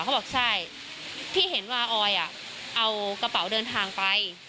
เขาบอกใช่พี่เห็นว่าออยเอากระเป๋าเดินทางไป